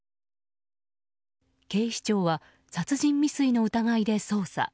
警視庁は殺人未遂の疑いで捜査。